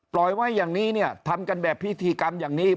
ไว้อย่างนี้เนี่ยทำกันแบบพิธีกรรมอย่างนี้